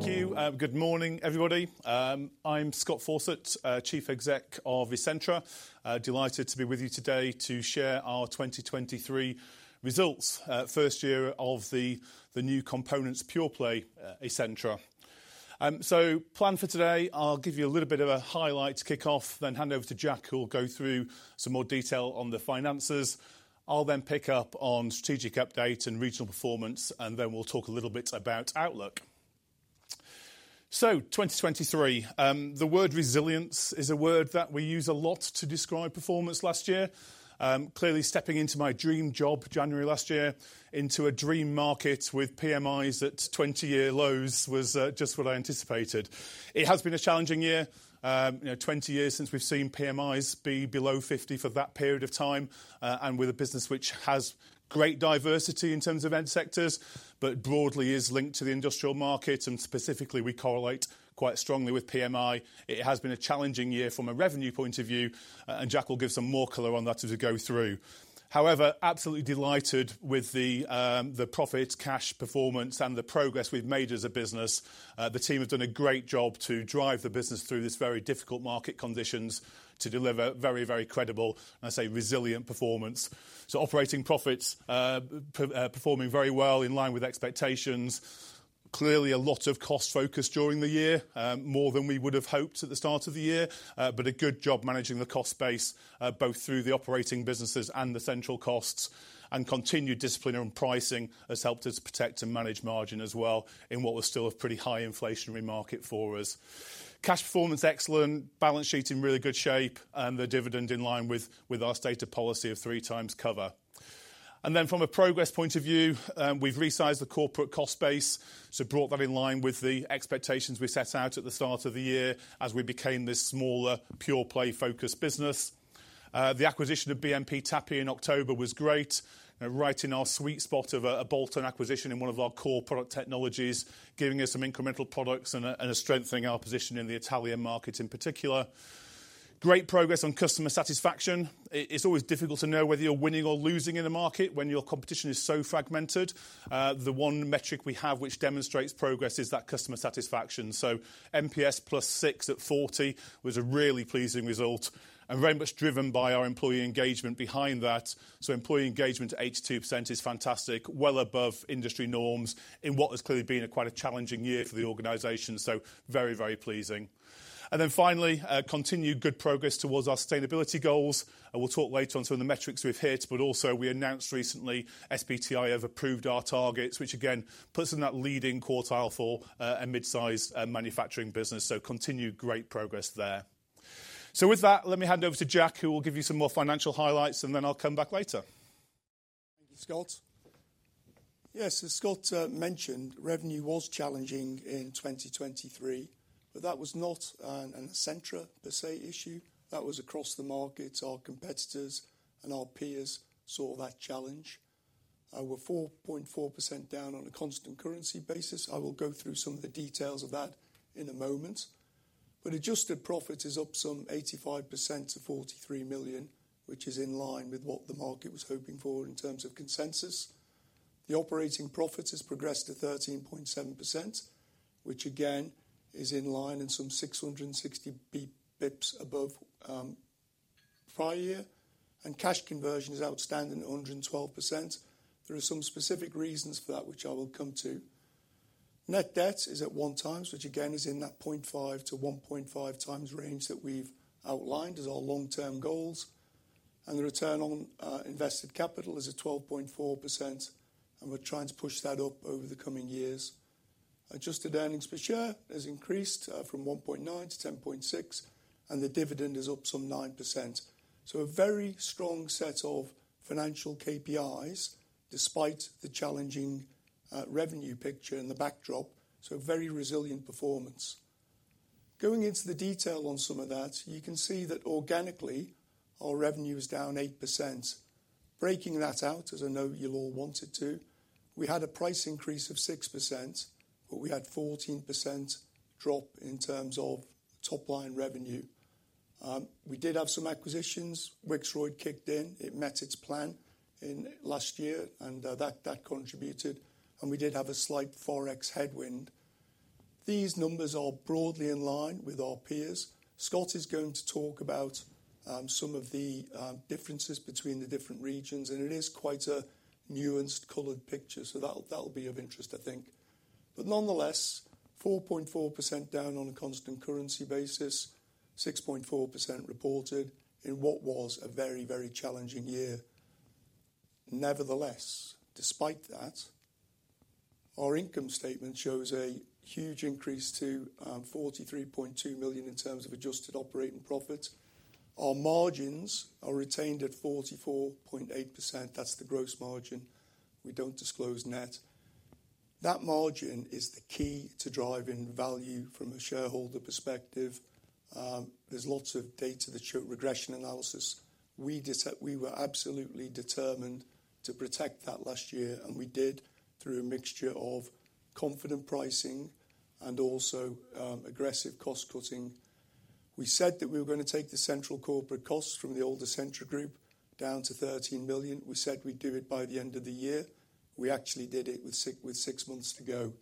Thank you. Good morning, everybody. I'm Scott Fawcett, Chief Exec of Essentra. Delighted to be with you today to share our 2023 results. First year of the new components pure-play, Essentra. So plan for today, I'll give you a little bit of a highlight to kick off, then hand over to Jack, who will go through some more detail on the finances. I'll then pick up on strategic update and regional performance, and then we'll talk a little bit about outlook. So 2023, the word resilience is a word that we use a lot to describe performance last year. Clearly stepping into my dream job January last year, into a dream market with PMIs at 20-year lows was just what I anticipated. It has been a challenging year, you know, 20 years since we've seen PMIs be below 50 for that period of time, and with a business which has great diversity in terms of end sectors, but broadly is linked to the industrial market, and specifically, we correlate quite strongly with PMI. It has been a challenging year from a revenue point of view, and Jack will give some more color on that as we go through. However, absolutely delighted with the profit, cash performance, and the progress we've made as a business. The team have done a great job to drive the business through this very difficult market conditions to deliver very, very credible, and I say, resilient performance. So operating profits performing very well in line with expectations. Clearly a lot of cost focus during the year, more than we would have hoped at the start of the year, but a good job managing the cost base, both through the operating businesses and the central costs, and continued discipline on pricing has helped us protect and manage margin as well in what was still a pretty high inflationary market for us. Cash performance, excellent. Balance sheet in really good shape, and the dividend in line with, with our stated policy of three times cover. Then from a progress point of view, we've resized the corporate cost base, so brought that in line with the expectations we set out at the start of the year as we became this smaller, pure-play focused business. The acquisition of BMP TAPPI in October was great. Right in our sweet spot of a bolt-on acquisition in one of our core product technologies, giving us some incremental products and strengthening our position in the Italian market in particular. Great progress on customer satisfaction. It's always difficult to know whether you're winning or losing in a market when your competition is so fragmented. The one metric we have, which demonstrates progress is that customer satisfaction. So NPS +6 at 40 was a really pleasing result and very much driven by our employee engagement behind that. So employee engagement at 82% is fantastic, well above industry norms in what has clearly been quite a challenging year for the organization. So very, very pleasing. Then finally, continued good progress towards our sustainability goals, and we'll talk later on some of the metrics we've hit, but also we announced recently, SBTi have approved our targets, which again, puts us in that leading quartile for a mid-sized manufacturing business. Continued great progress there. With that, let me hand over to Jack, who will give you some more financial highlights, and then I'll come back later. Thank you, Scott. Yes, as Scott mentioned, revenue was challenging in 2023, but that was not an Essentra per se issue. That was across the market. Our competitors and our peers saw that challenge. We're 4.4% down on a constant currency basis. I will go through some of the details of that in a moment. But adjusted profit is up some 85% to 43 million, which is in line with what the market was hoping for in terms of consensus. The operating profit has progressed to 13.7%, which again, is in line and some 660 bps above prior year, and cash conversion is outstanding at 112%. There are some specific reasons for that, which I will come to. Net debt is at 1x, which again, is in that 0.5-1.5x range that we've outlined as our long-term goals, and the return on invested capital is at 12.4%, and we're trying to push that up over the coming years. Adjusted earnings per share has increased from 1.9p to 10.6p, and the dividend is up some 9%. So a very strong set of financial KPIs, despite the challenging revenue picture in the backdrop, so a very resilient performance. Going into the detail on some of that, you can see that organically, our revenue is down 8%. Breaking that out, as I know you all wanted to, we had a price increase of 6%, but we had 14% drop in terms of top line revenue. We did have some acquisitions. Wixroyd kicked in. It met its plan in last year, and that contributed, and we did have a slight Forex headwind. These numbers are broadly in line with our peers. Scott is going to talk about some of the differences between the different regions, and it is quite a nuanced colored picture, so that'll be of interest, I think. But nonetheless, 4.4% down on a constant currency basis, 6.4% reported in what was a very, very challenging year. Nevertheless, despite that, our income statement shows a huge increase to 43.2 million in terms of adjusted operating profit. Our margins are retained at 44.8%. That's the gross margin. We don't disclose net. That margin is the key to driving value from a shareholder perspective. There's lots of data that show regression analysis. We were absolutely determined to protect that last year, and we did through a mixture of confident pricing and also, aggressive cost-cutting. We said that we were going to take the central corporate costs from the older Essentra Group down to 13 million. We said we'd do it by the end of the year. We actually did it with six months to go.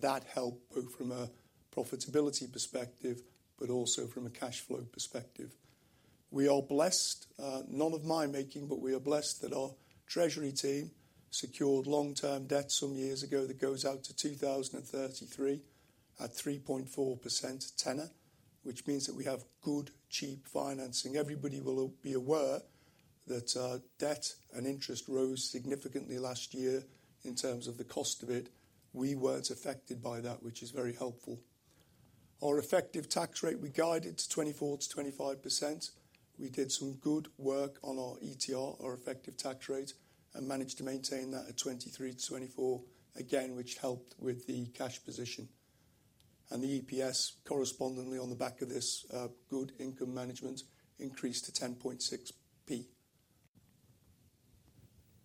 That helped, both from a profitability perspective, but also from a cash flow perspective. We are blessed, not of my making, but we are blessed that our treasury team secured long-term debt some years ago that goes out to 2033 at 3.4% tenor, which means that we have good, cheap financing. Everybody will be aware that, debt and interest rose significantly last year in terms of the cost of it. We weren't affected by that, which is very helpful. Our effective tax rate, we guided to 24%-25%. We did some good work on our ETR, our effective tax rate, and managed to maintain that at 23%-24%, again, which helped with the cash position. And the EPS, correspondingly, on the back of this, good income management, increased to 10.6p.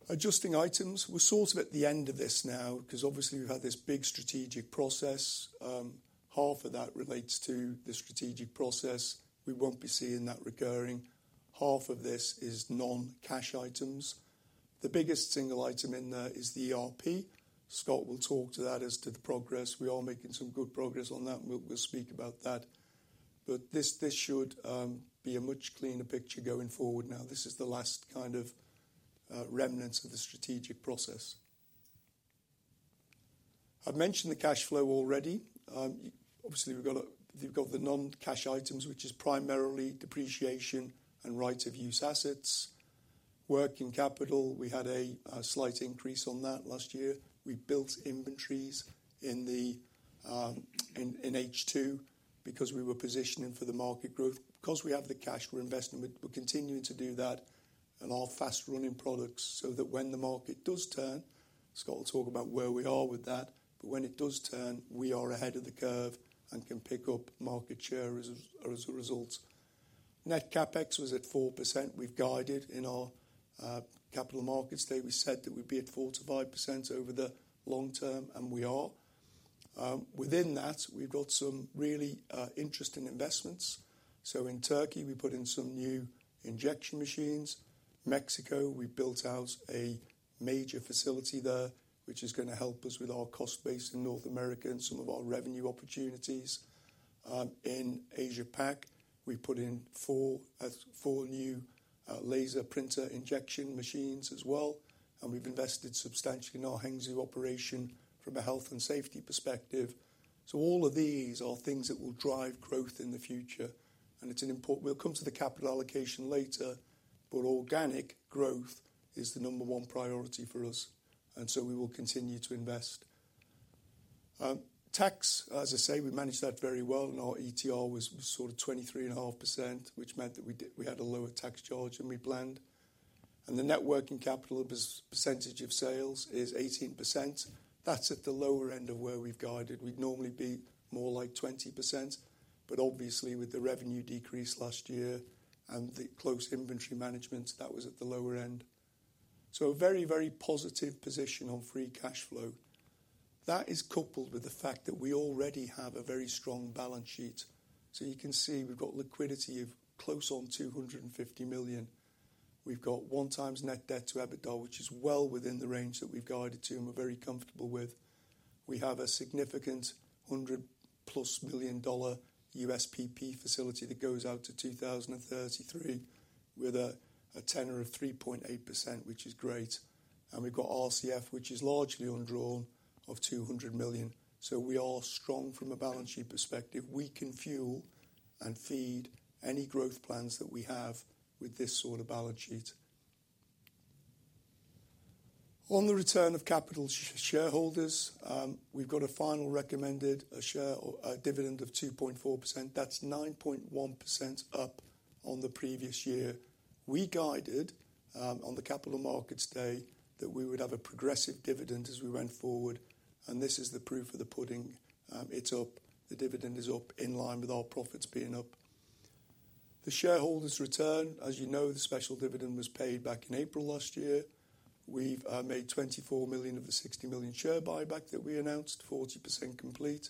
Adjusting items, we're sort of at the end of this now, 'cause obviously we've had this big strategic process. Half of that relates to the strategic process. We won't be seeing that recurring. Half of this is non-cash items. The biggest single item in there is the ERP. Scott will talk to that as to the progress. We are making some good progress on that, and we'll speak about that. But this, this should be a much cleaner picture going forward now. This is the last kind of remnants of the strategic process. I've mentioned the cash flow already. Obviously, we've got the non-cash items, which is primarily depreciation and right of use assets. Working capital, we had a slight increase on that last year. We built inventories in H2, because we were positioning for the market growth. Because we have the cash, we're investing, we're continuing to do that and our fast-running products, so that when the market does turn, Scott will talk about where we are with that, but when it does turn, we are ahead of the curve and can pick up market share as a result. Net CapEx was at 4%. We've guided in our capital markets. They said that we'd be at 4%-5% over the long term, and we are. Within that, we've got some really interesting investments. So in Turkey, we put in some new injection machines. Mexico, we built out a major facility there, which is gonna help us with our cost base in North America and some of our revenue opportunities. In Asia Pac, we put in 4, 4 new laser printer injection machines as well, and we've invested substantially in our Hangzhou operation from a health and safety perspective. So all of these are things that will drive growth in the future, and it's an important... We'll come to the capital allocation later, but organic growth is the number one priority for us, and so we will continue to invest. Tax, as I say, we managed that very well, and our ETR was sort of 23.5%, which meant that we had a lower tax charge than we planned. And the net working capital of this percentage of sales is 18%. That's at the lower end of where we've guided. We'd normally be more like 20%, but obviously, with the revenue decrease last year and the close inventory management, that was at the lower end. So a very, very positive position on free cash flow. That is coupled with the fact that we already have a very strong balance sheet. So you can see we've got liquidity of close on £250 million. We've got 1x net debt to EBITDA, which is well within the range that we've guided to and we're very comfortable with. We have a significant $100+ million USPP facility that goes out to 2033 with a tenor of 3.8%, which is great. And we've got RCF, which is largely undrawn, of 200 million. So we are strong from a balance sheet perspective. We can fuel and feed any growth plans that we have with this sort of balance sheet. On the return of capital to shareholders, we've got a final recommended a share or a dividend of 2.4%. That's 9.1% up on the previous year. We guided, on the Capital Markets Day, that we would have a progressive dividend as we went forward, and this is the proof of the pudding. It's up. The dividend is up in line with our profits being up. The shareholders' return, as you know, the special dividend was paid back in April last year. We've made 24 million of the 60 million share buyback that we announced, 40% complete.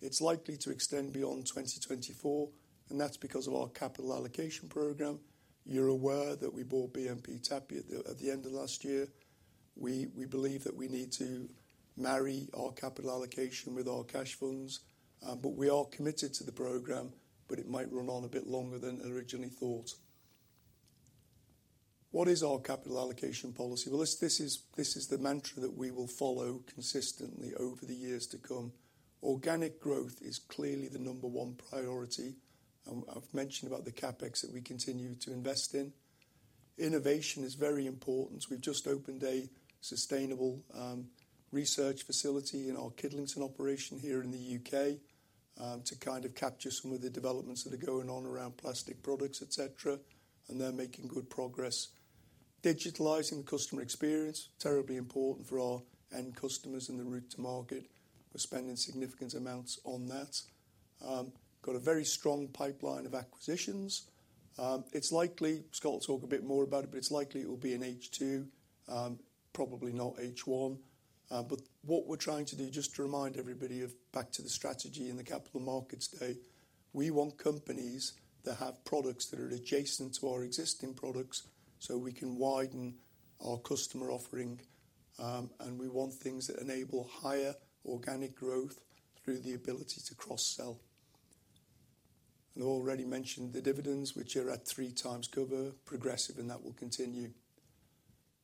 It's likely to extend beyond 2024, and that's because of our capital allocation program. You're aware that we bought BMP TAPPI at the end of last year. We believe that we need to marry our capital allocation with our cash funds, but we are committed to the program, but it might run on a bit longer than originally thought. What is our capital allocation policy? Well, this is the mantra that we will follow consistently over the years to come. Organic growth is clearly the number one priority. I've mentioned about the CapEx that we continue to invest in. Innovation is very important. We've just opened a sustainable, research facility in our Kidlington operation here in the U.K., to kind of capture some of the developments that are going on around plastic products, et cetera, and they're making good progress. Digitalizing the customer experience, terribly important for our end customers in the route to market. We're spending significant amounts on that. Got a very strong pipeline of acquisitions. It's likely, Scott will talk a bit more about it, but it's likely it will be in H2, probably not H1. But what we're trying to do, just to remind everybody of back to the strategy in the Capital Markets Day, we want companies that have products that are adjacent to our existing products, so we can widen our customer offering. And we want things that enable higher organic growth through the ability to cross-sell. And I already mentioned the dividends, which are at three times cover, progressive, and that will continue.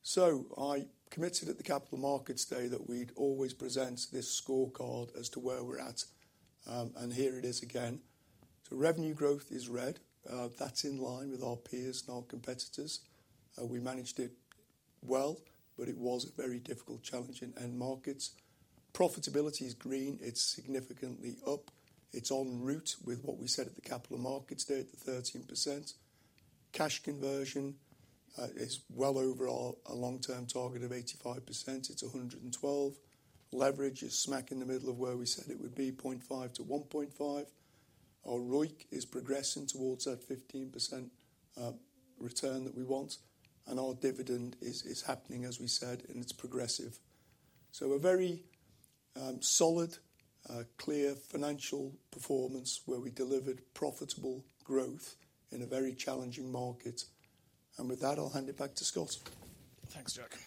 So I committed at the Capital Markets Day that we'd always present this scorecard as to where we're at, and here it is again. So revenue growth is red, that's in line with our peers and our competitors. We managed it well, but it was a very difficult challenge in end markets. Profitability is green, it's significantly up. It's on track with what we said at the Capital Markets Day at the 13%. Cash conversion is well over our long-term target of 85%, it's 112. Leverage is smack in the middle of where we said it would be, 0.5-1.5. Our ROIC is progressing towards that 15% return that we want, and our dividend is happening, as we said, and it's progressive. So a very solid, clear financial performance, where we delivered profitable growth in a very challenging market. And with that, I'll hand it back to Scott. Thanks, Jack.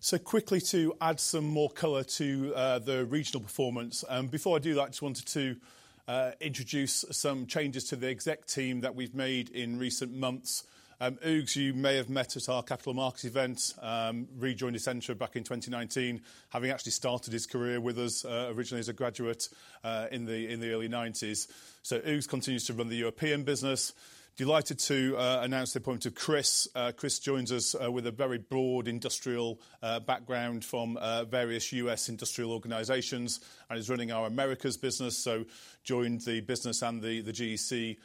So quickly to add some more color to the regional performance. Before I do that, I just wanted to introduce some changes to the exec team that we've made in recent months. Hugues, you may have met at our capital markets event, rejoined Essentra back in 2019, having actually started his career with us originally as a graduate in the early 1990s. So Hugues continues to run the European business. Delighted to announce the appointment of Chris. Chris joins us with a very broad industrial background from various U.S. industrial organizations and is running our Americas business, so joined the business and the GEC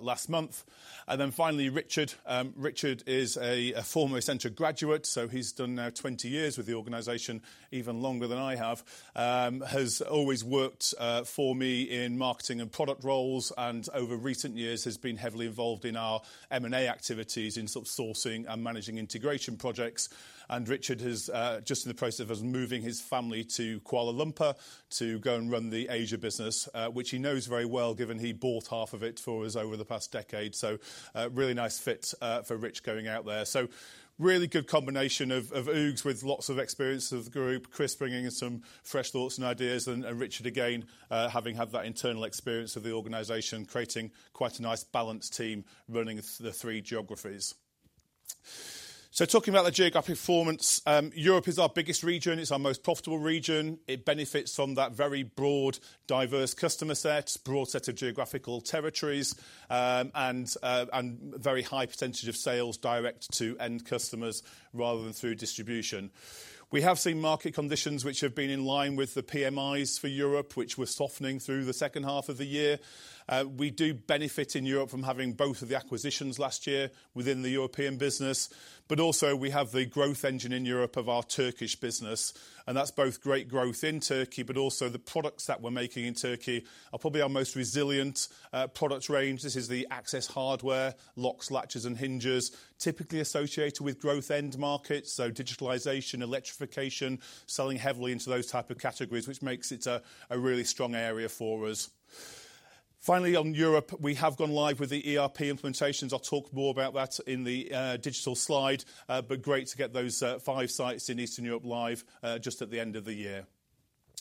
last month. And then finally, Richard. Richard is a former Essentra graduate, so he's done now 20 years with the organization, even longer than I have. Has always worked for me in marketing and product roles, and over recent years has been heavily involved in our M&A activities in sort of sourcing and managing integration projects. Richard is just in the process of moving his family to Kuala Lumpur to go and run the Asia business, which he knows very well, given he bought half of it for us over the past decade. So, really nice fit for Rich going out there. So really good combination of Hugues, with lots of experience of the group, Chris bringing in some fresh thoughts and ideas, and Richard, again, having had that internal experience of the organization, creating quite a nice balanced team running the three geographies. Talking about the geographic performance, Europe is our biggest region, it's our most profitable region. It benefits from that very broad, diverse customer set, broad set of geographical territories, and very high percentage of sales direct to end customers rather than through distribution. We have seen market conditions which have been in line with the PMIs for Europe, which were softening through the second half of the year. We do benefit in Europe from having both of the acquisitions last year within the European business, but also we have the growth engine in Europe of our Turkish business, and that's both great growth in Turkey, but also the products that we're making in Turkey are probably our most resilient product range. This is the access hardware, locks, latches, and hinges, typically associated with growth end markets, so digitalization, electrification, selling heavily into those type of categories, which makes it a really strong area for us. Finally, on Europe, we have gone live with the ERP implementations. I'll talk more about that in the digital slide, but great to get those five sites in Eastern Europe live just at the end of the year.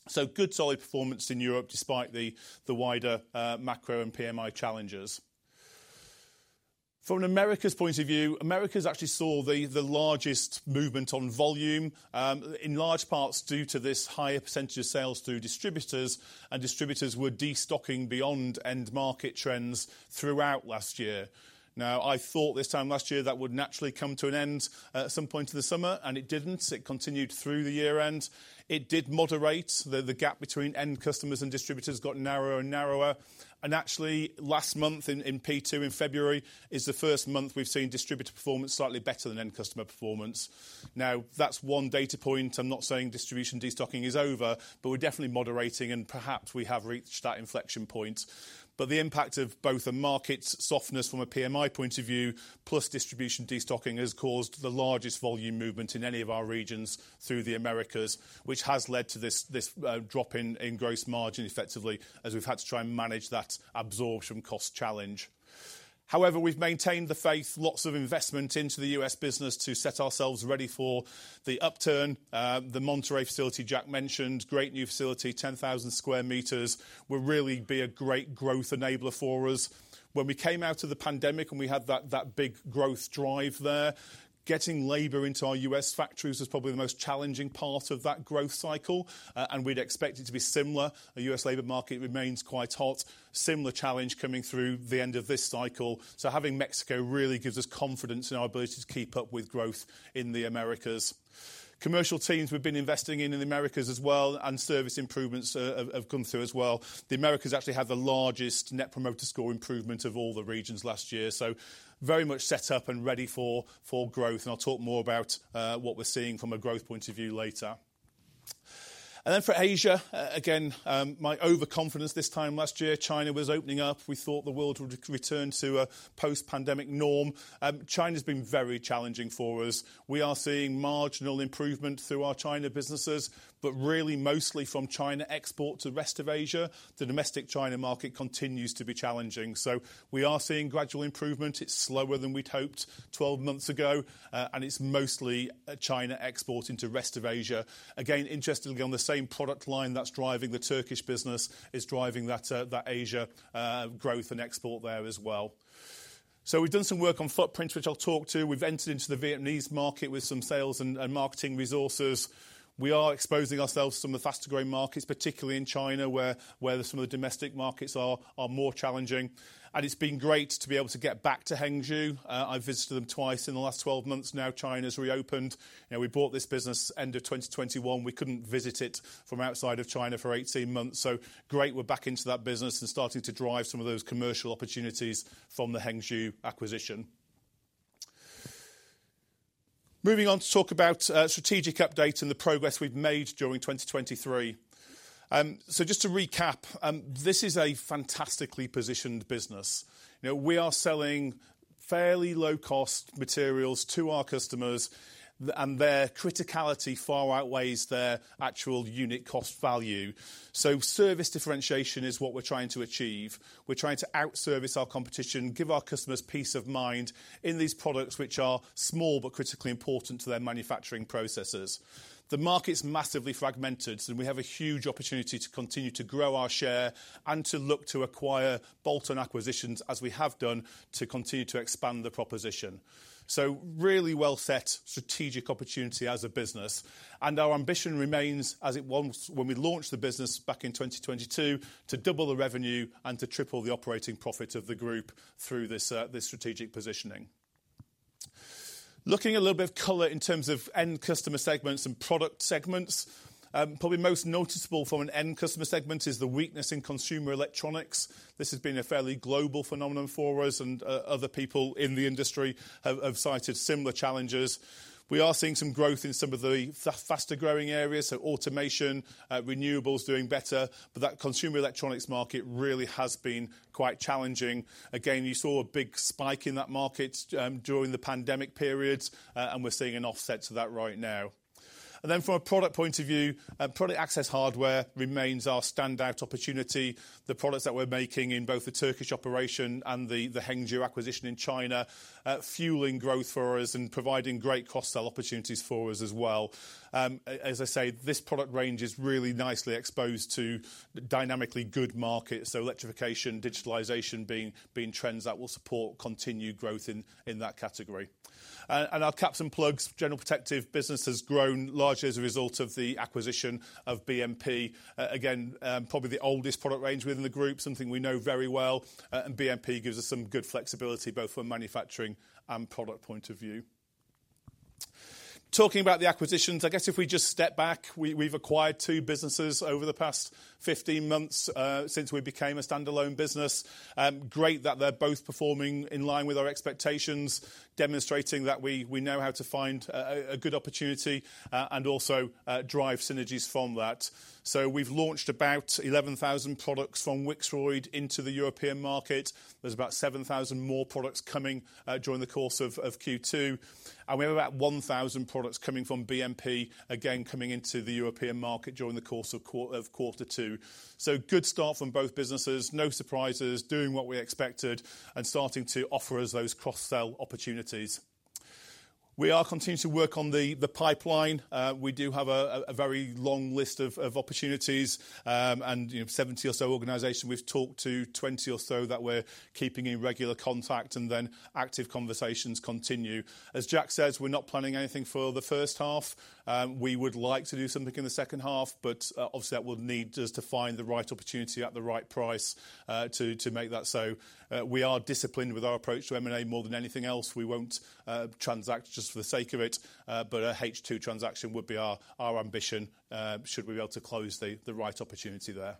So good, solid performance in Europe, despite the wider macro and PMI challenges. From an Americas point of view, Americas actually saw the largest movement on volume in large parts, due to this higher percentage of sales through distributors and distributors were destocking beyond end market trends throughout last year. Now, I thought this time last year, that would naturally come to an end at some point in the summer, and it didn't. It continued through the year-end. It did moderate. The gap between end customers and distributors got narrower and narrower. Actually, last month in P2, in February, is the first month we've seen distributor performance slightly better than end customer performance. Now, that's one data point. I'm not saying distribution destocking is over, but we're definitely moderating, and perhaps we have reached that inflection point. But the impact of both the market softness from a PMI point of view, plus distribution destocking, has caused the largest volume movement in any of our regions through the Americas, which has led to this drop in gross margin, effectively, as we've had to try and manage that absorption cost challenge. However, we've maintained the faith, lots of investment into the U.S. business to set ourselves ready for the upturn. The Monterrey facility, Jack mentioned, great new facility, 10,000 sqm, will really be a great growth enabler for us. When we came out of the pandemic and we had that big growth drive there, getting labor into our U.S. factories was probably the most challenging part of that growth cycle, and we'd expect it to be similar. The U.S. labor market remains quite hot. Similar challenge coming through the end of this cycle. So having Mexico really gives us confidence in our ability to keep up with growth in the Americas. Commercial teams, we've been investing in the Americas as well, and service improvements have come through as well. The Americas actually had the largest Net Promoter Score improvement of all the regions last year, so very much set up and ready for growth. And I'll talk more about what we're seeing from a growth point of view later. And then for Asia, again, my overconfidence this time last year, China was opening up. We thought the world would return to a post-pandemic norm. China's been very challenging for us. We are seeing marginal improvement through our China businesses, but really mostly from China export to rest of Asia. The domestic China market continues to be challenging. So we are seeing gradual improvement. It's slower than we'd hoped 12 months ago, and it's mostly a China export into rest of Asia. Again, interestingly, on the same product line that's driving the Turkish business, is driving that Asia growth and export there as well. So we've done some work on footprints, which I'll talk to. We've entered into the Vietnamese market with some sales and marketing resources. We are exposing ourselves to some of the faster-growing markets, particularly in China, where some of the domestic markets are more challenging. And it's been great to be able to get back to Hangzhou. I've visited them twice in the last 12 months, now China's reopened. You know, we bought this business end of 2021. We couldn't visit it from outside of China for 18 months. So great, we're back into that business and starting to drive some of those commercial opportunities from the Hangzhou acquisition. Moving on to talk about strategic update and the progress we've made during 2023. So just to recap, this is a fantastically positioned business. You know, we are selling fairly low-cost materials to our customers, and their criticality far outweighs their actual unit cost value. So service differentiation is what we're trying to achieve. We're trying to out-service our competition, give our customers peace of mind in these products, which are small but critically important to their manufacturing processes. The market's massively fragmented, so we have a huge opportunity to continue to grow our share and to look to acquire bolt-on acquisitions, as we have done, to continue to expand the proposition. So really well set strategic opportunity as a business, and our ambition remains as it was when we launched the business back in 2022, to double the revenue and to triple the operating profit of the group through this strategic positioning. Looking a little bit of color in terms of end customer segments and product segments, probably most noticeable from an end customer segment is the weakness in consumer electronics. This has been a fairly global phenomenon for us, and other people in the industry have cited similar challenges. We are seeing some growth in some of the faster-growing areas, so automation, renewables doing better, but that consumer electronics market really has been quite challenging. Again, you saw a big spike in that market, during the pandemic periods, and we're seeing an offset to that right now. Then from a product point of view, access hardware remains our standout opportunity. The products that we're making in both the Turkish operation and the Hangzhou acquisition in China, fueling growth for us and providing great cross-sell opportunities for us as well. As I say, this product range is really nicely exposed to dynamically good markets, so electrification, digitalization being trends that will support continued growth in that category. And our caps and plugs general protective business has grown largely as a result of the acquisition of BMP. Again, probably the oldest product range within the group, something we know very well, and BMP gives us some good flexibility, both from a manufacturing and product point of view. Talking about the acquisitions, I guess if we just step back, we've acquired two businesses over the past 15 months since we became a standalone business. Great that they're both performing in line with our expectations, demonstrating that we know how to find a good opportunity and also drive synergies from that. So we've launched about 11,000 products from Wixroyd into the European market. There's about 7,000 more products coming during the course of Q2, and we have about 1,000 products coming from BMP, again, coming into the European market during the course of quarter two. So good start from both businesses, no surprises, doing what we expected, and starting to offer us those cross-sell opportunities. We are continuing to work on the pipeline. We do have a very long list of opportunities, and, you know, 70 or so organization we've talked to, 20 or so that we're keeping in regular contact, and then active conversations continue. As Jack says, we're not planning anything for the first half. We would like to do something in the second half, but, obviously, that would need us to find the right opportunity at the right price, to make that so. We are disciplined with our approach to M&A more than anything else. We won't transact just for the sake of it, but a H2 transaction would be our ambition, should we be able to close the right opportunity there.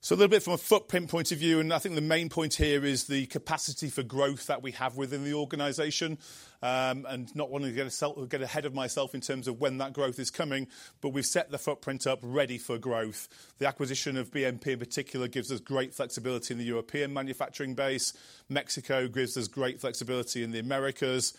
So a little bit from a footprint point of view, and I think the main point here is the capacity for growth that we have within the organization. And not wanting to get ahead of myself in terms of when that growth is coming, but we've set the footprint up ready for growth. The acquisition of BMP, in particular, gives us great flexibility in the European manufacturing base. Mexico gives us great flexibility in the Americas.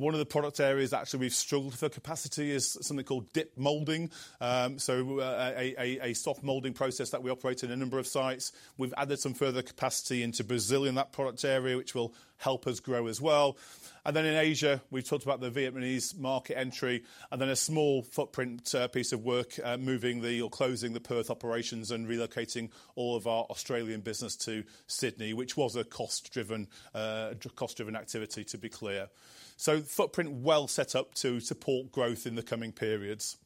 One of the product areas that actually we've struggled for capacity is something called dip molding. A soft molding process that we operate in a number of sites. We've added some further capacity into Brazil in that product area, which will help us grow as well. And then in Asia, we talked about the Vietnamese market entry, and then a small footprint piece of work moving the or closing the Perth operations and relocating all of our Australian business to Sydney, which was a cost-driven cost-driven activity, to be clear. So footprint well set up to support growth in the coming periods.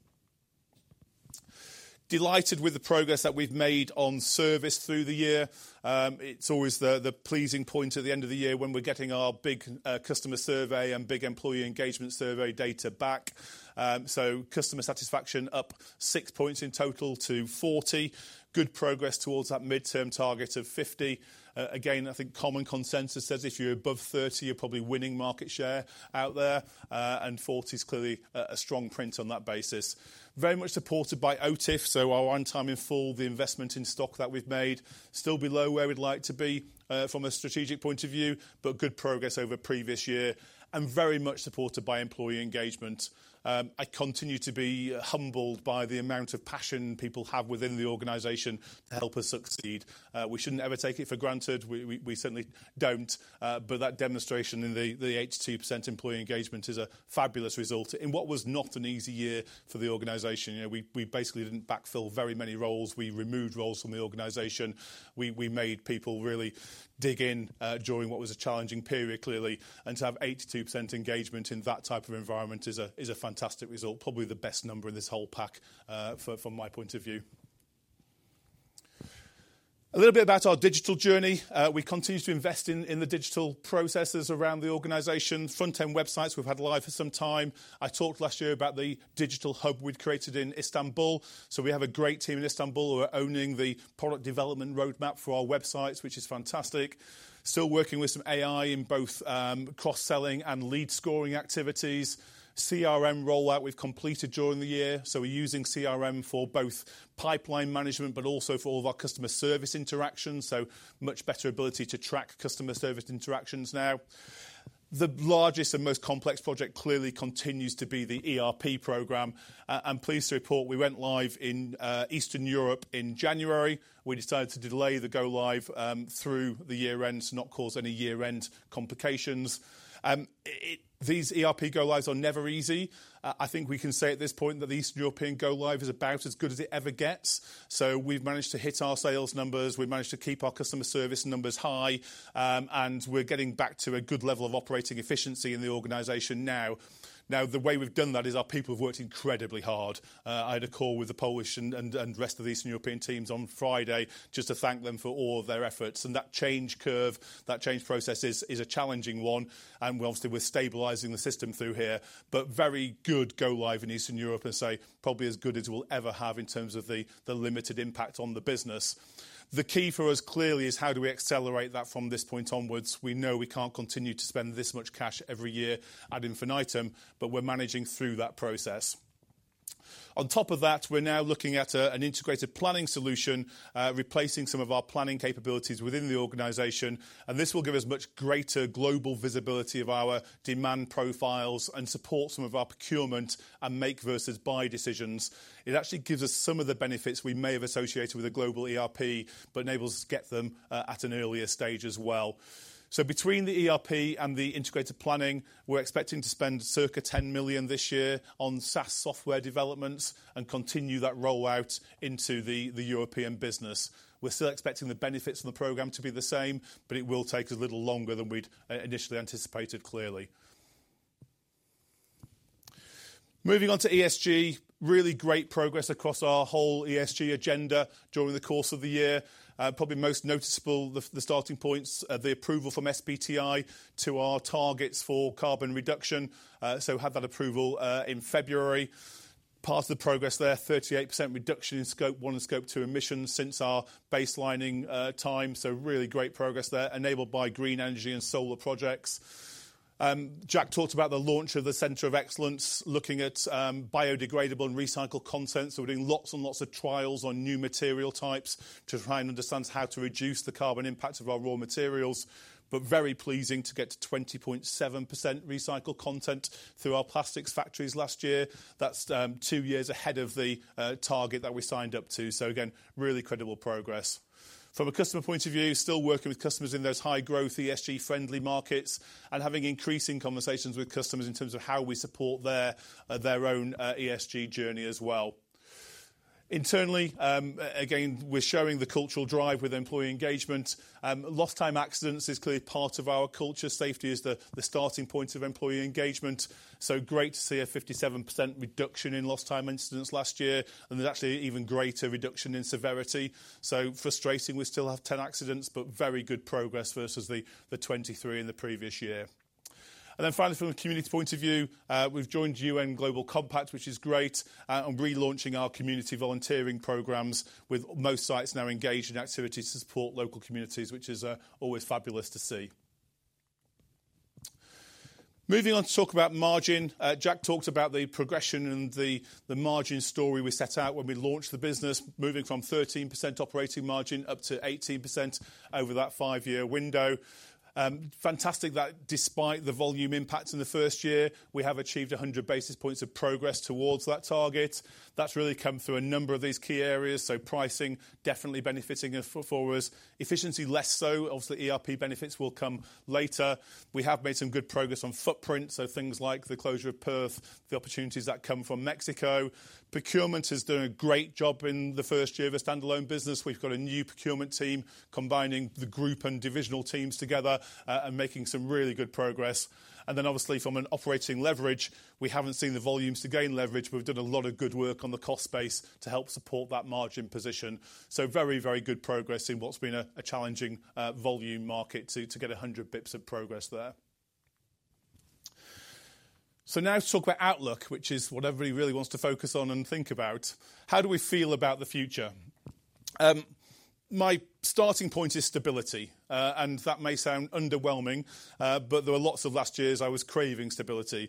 Delighted with the progress that we've made on service through the year. It's always the pleasing point at the end of the year when we're getting our big customer survey and big employee engagement survey data back. So customer satisfaction up 6 points in total to 40. Good progress towards that midterm target of 50. Again, I think common consensus says if you're above 30, you're probably winning market share out there, and 40 is clearly a strong print on that basis. Very much supported by OTIF, so our on time in full, the investment in stock that we've made. Still below where we'd like to be, from a strategic point of view, but good progress over previous year, and very much supported by employee engagement. I continue to be humbled by the amount of passion people have within the organization to help us succeed. We shouldn't ever take it for granted. We certainly don't, but that demonstration in the 82% employee engagement is a fabulous result in what was not an easy year for the organization. You know, we basically didn't backfill very many roles. We removed roles from the organization. We made people really dig in during what was a challenging period, clearly, and to have 82% engagement in that type of environment is a fantastic result, probably the best number in this whole pack, from my point of view. A little bit about our digital journey. We continue to invest in the digital processes around the organization. Front-end websites, we've had live for some time. I talked last year about the digital hub we'd created in Istanbul. So we have a great team in Istanbul who are owning the product development roadmap for our websites, which is fantastic. Still working with some AI in both cross-selling and lead scoring activities. CRM rollout we've completed during the year, so we're using CRM for both pipeline management, but also for all of our customer service interactions, so much better ability to track customer service interactions now. The largest and most complex project clearly continues to be the ERP program. I'm pleased to report we went live in Eastern Europe in January. We decided to delay the go live through the year end to not cause any year-end complications. These ERP go lives are never easy. I think we can say at this point that the Eastern European go live is about as good as it ever gets. So we've managed to hit our sales numbers, we've managed to keep our customer service numbers high, and we're getting back to a good level of operating efficiency in the organization now. Now, the way we've done that is our people have worked incredibly hard. I had a call with the Polish and rest of the Eastern European teams on Friday just to thank them for all of their efforts. That change curve, that change process is a challenging one, and obviously, we're stabilizing the system through here, but very good go live in Eastern Europe, and so probably as good as we'll ever have in terms of the limited impact on the business. The key for us, clearly, is how do we accelerate that from this point onwards? We know we can't continue to spend this much cash every year ad infinitum, but we're managing through that process. On top of that, we're now looking at an integrated planning solution, replacing some of our planning capabilities within the organization, and this will give us much greater global visibility of our demand profiles and support some of our procurement and make versus buy decisions. It actually gives us some of the benefits we may have associated with a global ERP, but enables us to get them at an earlier stage as well. So between the ERP and the integrated planning, we're expecting to spend circa 10 million this year on SaaS software developments and continue that rollout into the European business. We're still expecting the benefits of the program to be the same, but it will take us a little longer than we'd initially anticipated, clearly. Moving on to ESG, really great progress across our whole ESG agenda during the course of the year. Probably most noticeable, the starting points, the approval from SBTi to our targets for carbon reduction. So we had that approval in February. Part of the progress there, 38% reduction in Scope 1 and Scope 2 emissions since our baselining time. So really great progress there, enabled by green energy and solar projects. Jack talked about the launch of the Center of Excellence, looking at biodegradable and recycled content. So we're doing lots and lots of trials on new material types to try and understand how to reduce the carbon impact of our raw materials, but very pleasing to get to 20.7% recycled content through our plastics factories last year. That's two years ahead of the target that we signed up to. So again, really incredible progress. From a customer point of view, still working with customers in those high-growth, ESG-friendly markets and having increasing conversations with customers in terms of how we support their own ESG journey as well. Internally, again, we're showing the cultural drive with employee engagement. Lost time accidents is clearly part of our culture. Safety is the starting point of employee engagement, so great to see a 57% reduction in lost time incidents last year, and there's actually an even greater reduction in severity. So frustrating, we still have 10 accidents, but very good progress versus the 23 in the previous year. And then finally, from a community point of view, we've joined UN Global Compact, which is great, and relaunching our community volunteering programs, with most sites now engaged in activities to support local communities, which is always fabulous to see. Moving on to talk about margin. Jack talked about the progression and the margin story we set out when we launched the business, moving from 13% operating margin up to 18% over that five-year window. Fantastic that despite the volume impacts in the first year, we have achieved 100 basis points of progress towards that target. That's really come through a number of these key areas, so pricing definitely benefiting for us. Efficiency, less so. Obviously, ERP benefits will come later. We have made some good progress on footprint, so things like the closure of Perth, the opportunities that come from Mexico. Procurement has done a great job in the first year of a standalone business. We've got a new procurement team combining the group and divisional teams together, and making some really good progress. And then obviously from an operating leverage, we haven't seen the volumes to gain leverage. We've done a lot of good work on the cost base to help support that margin position. Very, very good progress in what's been a challenging volume market to get 100 basis points of progress there. So now to talk about outlook, which is what everybody really wants to focus on and think about. How do we feel about the future? My starting point is stability, and that may sound underwhelming, but there were lots of last years I was craving stability.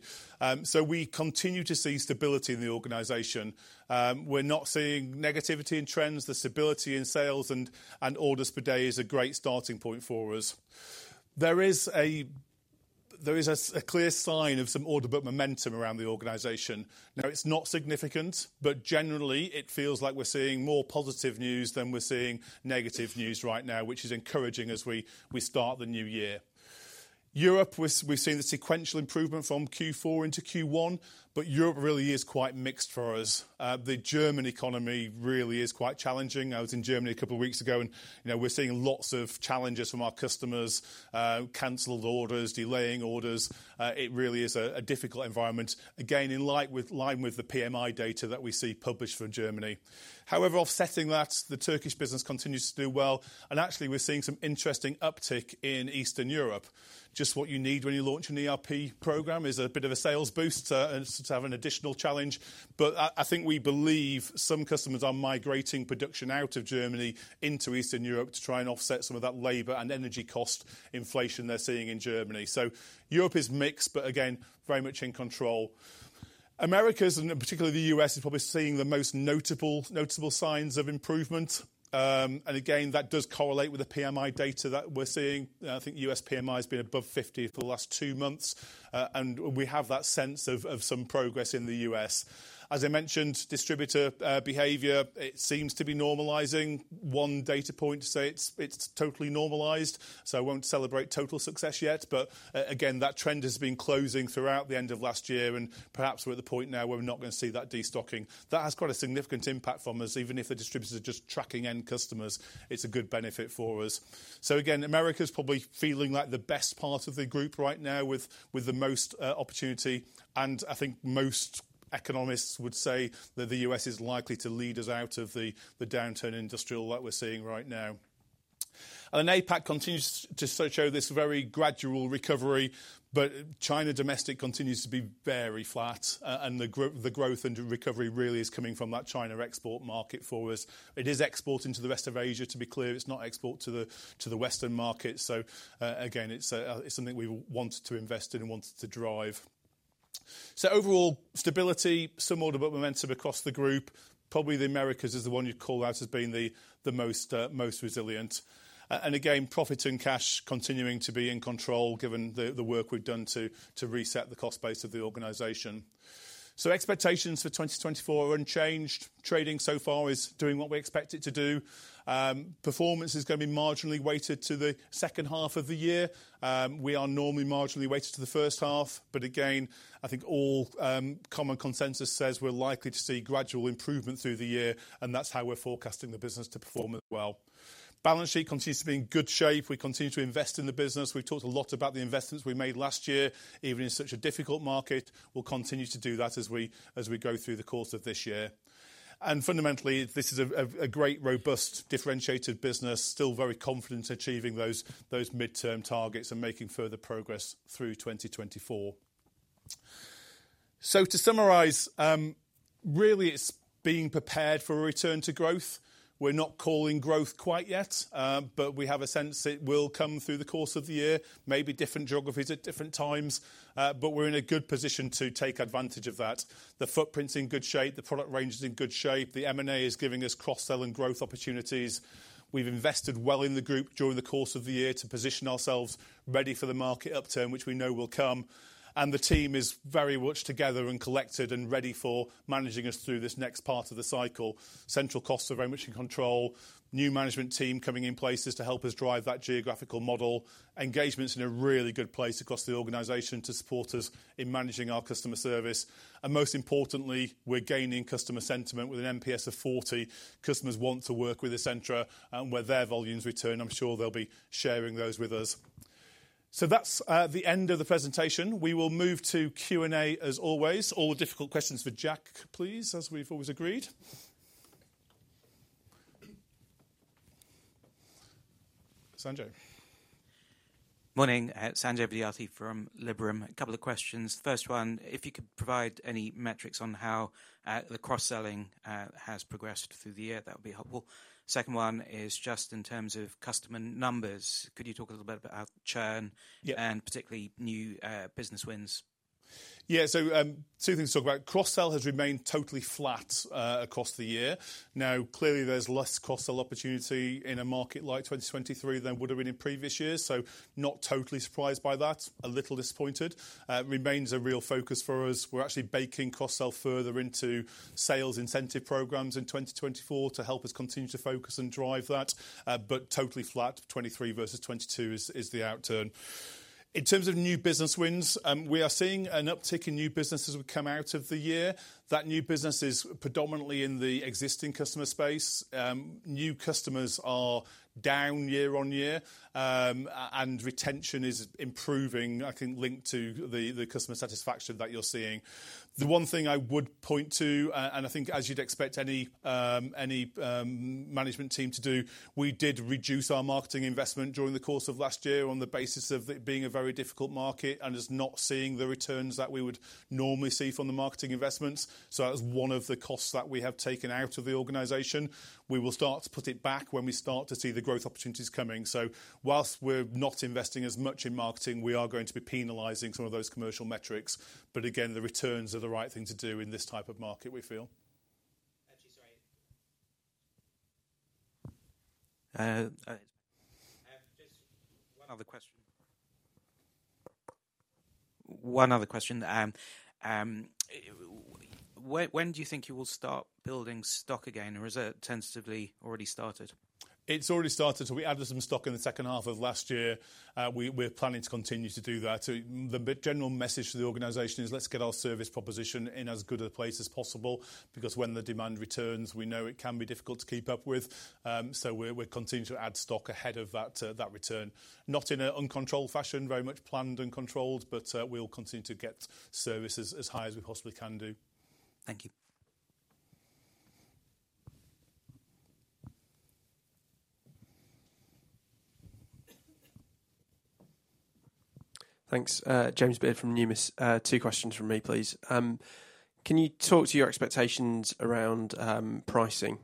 So we continue to see stability in the organization. We're not seeing negativity in trends. The stability in sales and orders per day is a great starting point for us. There is a clear sign of some order book momentum around the organization. Now, it's not significant, but generally, it feels like we're seeing more positive news than we're seeing negative news right now, which is encouraging as we start the new year. Europe, we've seen the sequential improvement from Q4 into Q1, but Europe really is quite mixed for us. The German economy really is quite challenging. I was in Germany a couple of weeks ago and, you know, we're seeing lots of challenges from our customers, canceled orders, delaying orders. It really is a difficult environment. Again, in line with the PMI data that we see published from Germany. However, offsetting that, the Turkish business continues to do well, and actually, we're seeing some interesting uptick in Eastern Europe. Just what you need when you launch an ERP program is a bit of a sales boost to have an additional challenge. But I think we believe some customers are migrating production out of Germany into Eastern Europe to try and offset some of that labor and energy cost inflation they're seeing in Germany. So Europe is mixed, but again, very much in control. Americas, and particularly the U.S., is probably seeing the most notable, noticeable signs of improvement. And again, that does correlate with the PMI data that we're seeing. I think U.S. PMI has been above 50 for the last two months, and we have that sense of some progress in the U.S. As I mentioned, distributor behavior, it seems to be normalizing. One data point to say it's totally normalized, so I won't celebrate total success yet. But again, that trend has been closing throughout the end of last year, and perhaps we're at the point now where we're not going to see that destocking. That has quite a significant impact from us, even if the distributors are just tracking end customers, it's a good benefit for us. So again, the Americas is probably feeling like the best part of the group right now with the most opportunity, and I think most economists would say that the U.S. is likely to lead us out of the industrial downturn that we're seeing right now. And then APAC continues to show this very gradual recovery, but China domestic continues to be very flat, and the growth and recovery really is coming from that China export market for us. It is export into the rest of Asia, to be clear, it's not export to the Western market. So again, it's something we wanted to invest in and wanted to drive. So overall, stability, some order book momentum across the group. Probably the Americas is the one you'd call out as being the most resilient. And again, profit and cash continuing to be in control, given the work we've done to reset the cost base of the organization. So expectations for 2024 are unchanged. Trading so far is doing what we expect it to do. Performance is going to be marginally weighted to the second half of the year. We are normally marginally weighted to the first half, but again, I think all common consensus says we're likely to see gradual improvement through the year, and that's how we're forecasting the business to perform as well. Balance sheet continues to be in good shape. We continue to invest in the business. We've talked a lot about the investments we made last year, even in such a difficult market. We'll continue to do that as we go through the course of this year. Fundamentally, this is a great, robust, differentiated business, still very confident achieving those midterm targets and making further progress through 2024. So to summarize, really it's being prepared for a return to growth. We're not calling growth quite yet, but we have a sense it will come through the course of the year, maybe different geographies at different times, but we're in a good position to take advantage of that. The footprint's in good shape, the product range is in good shape. The M&A is giving us cross-sell and growth opportunities. We've invested well in the group during the course of the year to position ourselves ready for the market upturn, which we know will come. And the team is very much together and collected and ready for managing us through this next part of the cycle. Central costs are very much in control. New management team coming in places to help us drive that geographical model. Engagement's in a really good place across the organization to support us in managing our customer service. And most importantly, we're gaining customer sentiment with an NPS of 40. Customers want to work with Essentra, and where their volumes return, I'm sure they'll be sharing those with us. So that's the end of the presentation. We will move to Q&A as always. All difficult questions for Jack, please, as we've always agreed. Sanjay? Morning, Sanjay Vidyarthi from Liberum. A couple of questions. First one, if you could provide any metrics on how the cross-selling has progressed through the year, that would be helpful. Second one is just in terms of customer numbers, could you talk a little bit about our churn- Yeah. -and particularly new business wins? Yeah, so, two things to talk about. Cross-sell has remained totally flat across the year. Now, clearly, there's less cross-sell opportunity in a market like 2023 than would have been in previous years, so not totally surprised by that, a little disappointed. It remains a real focus for us. We're actually baking cross-sell further into sales incentive programs in 2024 to help us continue to focus and drive that, but totally flat. 2023 versus 2022 is the outturn... In terms of new business wins, we are seeing an uptick in new business as we come out of the year. That new business is predominantly in the existing customer space. New customers are down year on year, and retention is improving, I think, linked to the customer satisfaction that you're seeing. The one thing I would point to, and I think as you'd expect any management team to do, we did reduce our marketing investment during the course of last year on the basis of it being a very difficult market, and is not seeing the returns that we would normally see from the marketing investments. So that was one of the costs that we have taken out of the organization. We will start to put it back when we start to see the growth opportunities coming. So whilst we're not investing as much in marketing, we are going to be penalizing some of those commercial metrics. But again, the returns are the right thing to do in this type of market, we feel. Actually, sorry. I have just one other question. One other question, when do you think you will start building stock again, or is it tentatively already started? It's already started. So we added some stock in the second half of last year. We're planning to continue to do that. So the general message to the organization is: Let's get our service proposition in as good a place as possible, because when the demand returns, we know it can be difficult to keep up with. So we're continuing to add stock ahead of that return. Not in an uncontrolled fashion, very much planned and controlled, but we'll continue to get services as high as we possibly can do. Thank you. Thanks, James Beard from Numis. Two questions from me, please. Can you talk to your expectations around pricing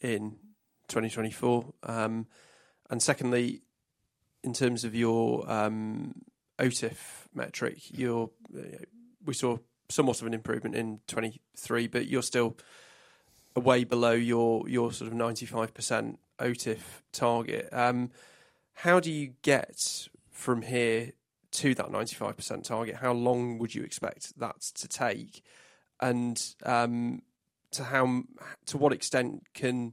in 2024? And secondly, in terms of your OTIF metric, your... We saw somewhat of an improvement in 2023, but you're still way below your, your sort of 95% OTIF target. How do you get from here to that 95% target? How long would you expect that to take? And, to what extent can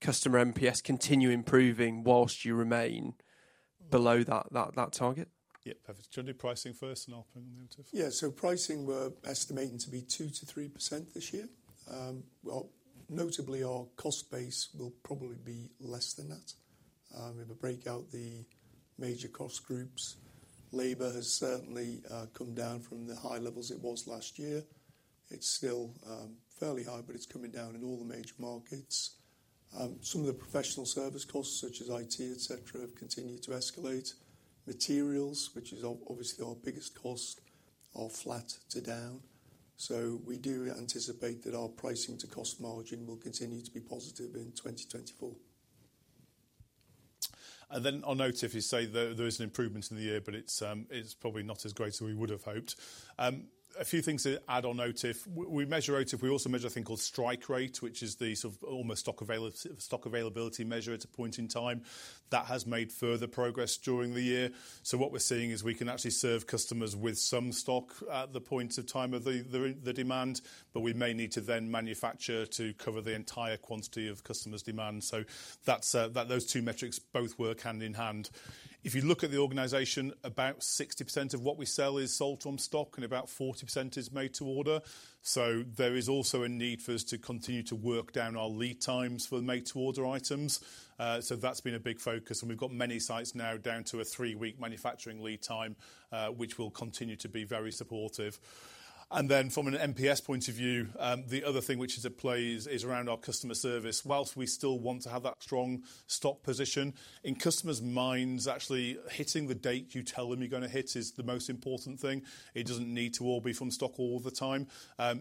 customer NPS continue improving whilst you remain below that, that, that target? Yeah, perfect. Do you want to do pricing first, and I'll open OTIF? Yeah. So pricing, we're estimating to be 2%-3% this year. Well, notably, our cost base will probably be less than that. If we break out the major cost groups, labor has certainly come down from the high levels it was last year. It's still fairly high, but it's coming down in all the major markets. Some of the professional service costs, such as IT, et cetera, have continued to escalate. Materials, which is obviously our biggest cost, are flat to down. So we do anticipate that our pricing to cost margin will continue to be positive in 2024. Then on OTIF, you say there, there is an improvement in the year, but it's, it's probably not as great as we would have hoped. A few things to add on OTIF. We measure OTIF. We also measure a thing called strike rate, which is the sort of almost stock availability measure at a point in time. That has made further progress during the year. So what we're seeing is we can actually serve customers with some stock at the point of time of the demand, but we may need to then manufacture to cover the entire quantity of customers' demand. So that's those two metrics both work hand in hand. If you look at the organization, about 60% of what we sell is sold on stock, and about 40% is made to order. So there is also a need for us to continue to work down our lead times for the made to order items. So that's been a big focus, and we've got many sites now down to a three-week manufacturing lead time, which will continue to be very supportive. And then from an NPS point of view, the other thing which is at play is around our customer service. While we still want to have that strong stock position, in customers' minds, actually hitting the date you tell them you're going to hit is the most important thing. It doesn't need to all be from stock all the time.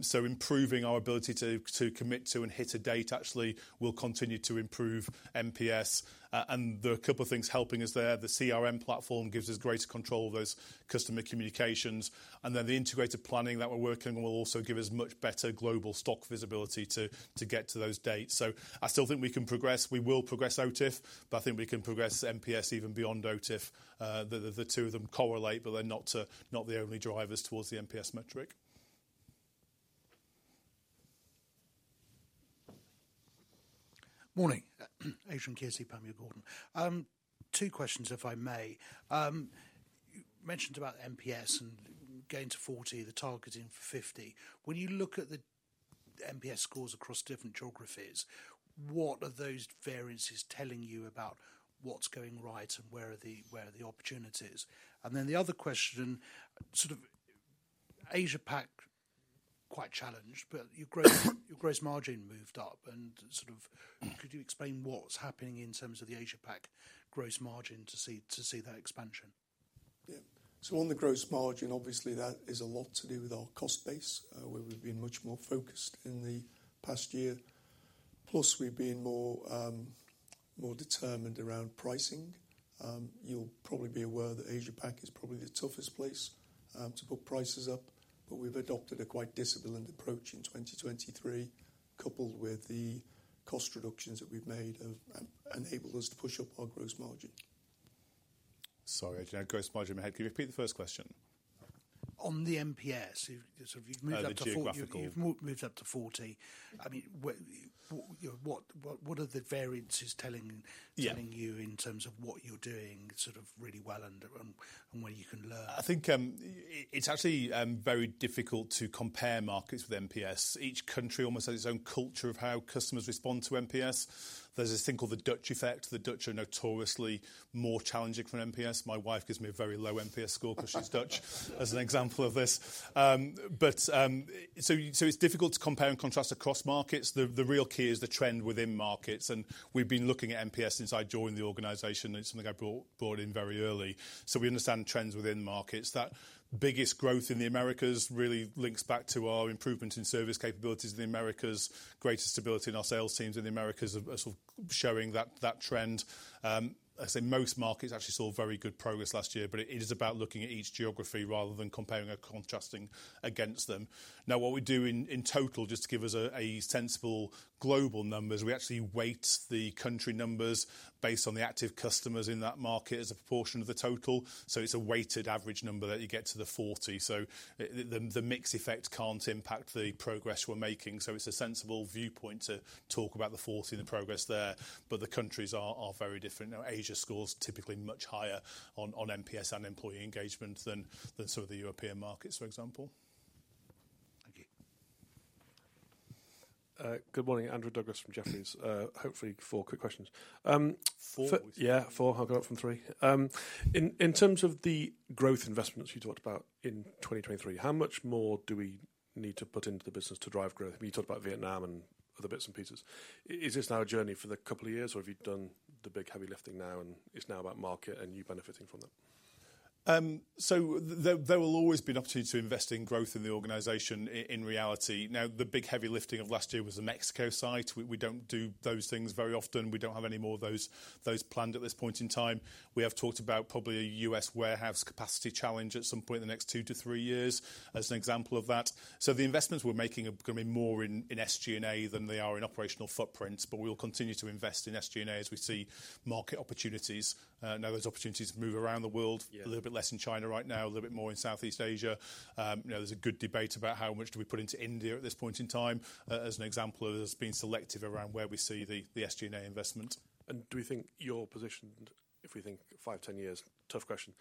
So improving our ability to commit to and hit a date actually will continue to improve NPS. And there are a couple of things helping us there. The CRM platform gives us greater control of those customer communications, and then the integrated planning that we're working on will also give us much better global stock visibility to get to those dates. So I still think we can progress. We will progress OTIF, but I think we can progress NPS even beyond OTIF. The two of them correlate, but they're not the only drivers towards the NPS metric. Morning, Adrian Kearsey, Panmure Gordon. Two questions, if I may. You mentioned about NPS and getting to 40, the target in 50. When you look at the NPS scores across different geographies, what are those variances telling you about what's going right and where are the opportunities? And then the other question, sort of Asia Pac, quite challenged, but your gross margin moved up and sort of could you explain what's happening in terms of the Asia Pac gross margin to see that expansion? Yeah. So on the gross margin, obviously, that is a lot to do with our cost base, where we've been much more focused in the past year. Plus, we've been more, more determined around pricing. You'll probably be aware that Asia Pac is probably the toughest place to put prices up, but we've adopted a quite disciplined approach in 2023, coupled with the cost reductions that we've made have enabled us to push up our gross margin. Sorry, Adrian, gross margin. Can you repeat the first question? ... On the NPS, you've, sort of, you've moved up to- Over geographical. You've moved up to 40. I mean, what are the variances telling- Yeah -telling you in terms of what you're doing, sort of, really well and, and where you can learn? I think, it's actually very difficult to compare markets with NPS. Each country almost has its own culture of how customers respond to NPS. There's this thing called the Dutch effect. The Dutch are notoriously more challenging for an NPS. My wife gives me a very low NPS score because she's Dutch, as an example of this. But, so it's difficult to compare and contrast across markets. The real key is the trend within markets, and we've been looking at NPS since I joined the organization, and it's something I brought in very early. So we understand trends within markets. That biggest growth in the Americas really links back to our improvement in service capabilities in the Americas. Greater stability in our sales teams in the Americas are sort of showing that trend. I'd say most markets actually saw very good progress last year, but it is about looking at each geography rather than comparing or contrasting against them. Now, what we do in total, just to give us a sensible global numbers, we actually weight the country numbers based on the active customers in that market as a proportion of the total. So it's a weighted average number that you get to the 40. So the mix effect can't impact the progress we're making, so it's a sensible viewpoint to talk about the 40 and the progress there, but the countries are very different. Now, Asia scores typically much higher on NPS and employee engagement than some of the European markets, for example. Thank you. Good morning, Andrew Douglas from Jefferies. Hopefully four quick questions. Four? Yeah, four. I'll go up from three. In terms of the growth investments you talked about in 2023, how much more do we need to put into the business to drive growth? I mean, you talked about Vietnam and other bits and pieces. Is this now a journey for the couple of years, or have you done the big, heavy lifting now, and it's now about market and you benefiting from it? So there will always be an opportunity to invest in growth in the organization in reality. Now, the big, heavy lifting of last year was the Mexico site. We don't do those things very often. We don't have any more of those planned at this point in time. We have talked about probably a U.S. warehouse capacity challenge at some point in the next 2-3 years, as an example of that. So the investments we're making are going to be more in SG&A than they are in operational footprint, but we will continue to invest in SG&A as we see market opportunities. Now those opportunities move around the world. Yeah. A little bit less in China right now, a little bit more in Southeast Asia. You know, there's a good debate about how much do we put into India at this point in time, as an example of us being selective around where we see the SG&A investment. Do you think your position, if we think 5, 10 years, tough question,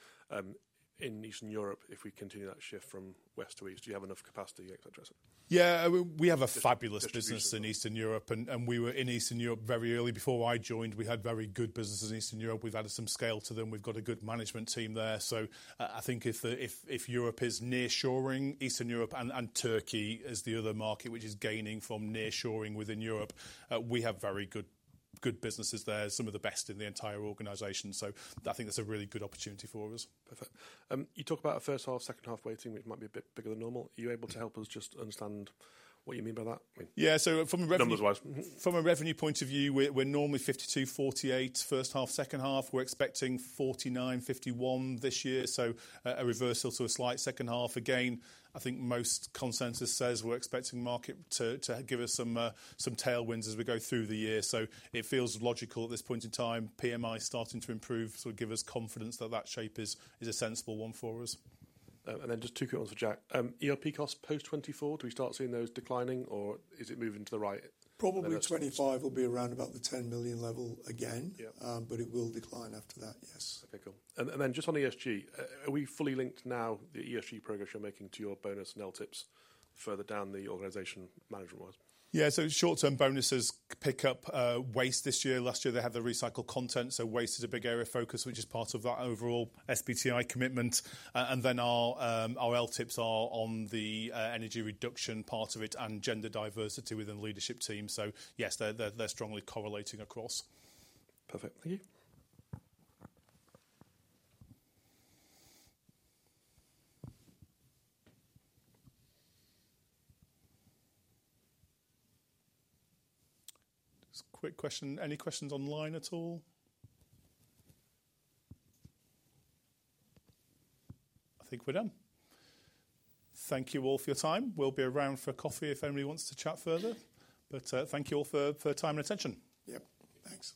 in Eastern Europe, if we continue that shift from west to east, do you have enough capacity, et cetera? Yeah, we have a fabulous- Distribution... business in Eastern Europe, and we were in Eastern Europe very early. Before I joined, we had very good businesses in Eastern Europe. We've added some scale to them. We've got a good management team there. So I think if Europe is nearshoring Eastern Europe and Turkey as the other market, which is gaining from nearshoring within Europe, we have very good businesses there, some of the best in the entire organization. So I think that's a really good opportunity for us. Perfect. You talk about a first half, second half weighting, which might be a bit bigger than normal. Are you able to help us just understand what you mean by that? Yeah, so from a revenue- Numbers wise. From a revenue point of view, we're normally 52-48. First half, second half, we're expecting 49-51 this year, so a reversal to a slight second half. Again, I think most consensus says we're expecting the market to give us some tailwinds as we go through the year. So it feels logical at this point in time, PMI starting to improve, so it give us confidence that that shape is a sensible one for us. And then just two quick ones for Jack. ERP costs post 2024, do we start seeing those declining, or is it moving to the right? Probably 2025 will be around about the 10 million level again. Yeah. But it will decline after that, yes. Okay, cool. And, and then just on ESG, are we fully linked now, the ESG progress you're making to your bonus and LTIPs further down the organization, management wise? Yeah, so short-term bonuses pick up waste this year. Last year, they had the recycled content, so waste is a big area of focus, which is part of that overall SBTi commitment. And then our our LTIPs are on the energy reduction part of it and gender diversity within the leadership team. So yes, they're strongly correlating across. Perfect. Thank you. Just a quick question. Any questions online at all? I think we're done. Thank you all for your time. We'll be around for coffee if anybody wants to chat further, but thank you all for your time and attention. Yep, thanks.